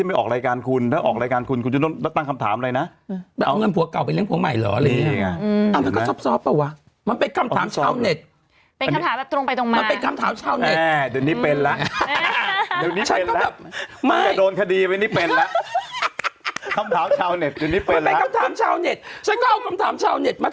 นาศาดิษฐ์ยังไงว่ะสนอกนิด